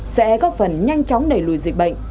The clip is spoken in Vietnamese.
sẽ góp phần nhanh chóng đẩy lùi dịch bệnh